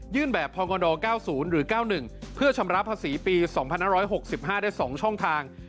แบบพก๙๐หรือ๙๑เพื่อชำระภาษีปี๒๕๖๕ได้๒ช่องทาง